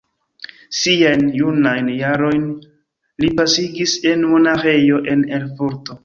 Siajn junajn jarojn li pasigis en monaĥejo en Erfurto.